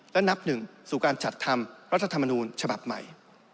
และนับหนึ่งสู่การจัดทำรัฐธรรมนูญฉบับใหม่